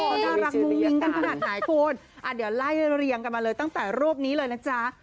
พวกเขาได้รักลูกมิ้งกันขนาดไหนโฟนเดี๋ยวไล่เรียงกันมาเลยตั้งแต่รูปนี้เลยนะจ๊ะ